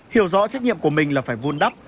hiểu rõ trách nhiệm của mình là phải vun đắp